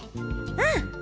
うん！